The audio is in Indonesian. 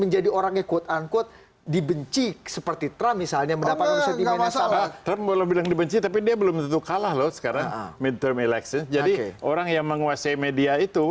jokowi dan sandi